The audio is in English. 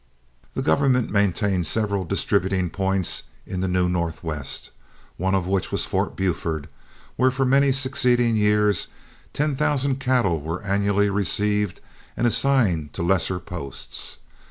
The government maintained several distributing points in the new Northwest, one of which was Fort Buford, where for many succeeding years ten thousand cattle were annually received and assigned to lesser posts.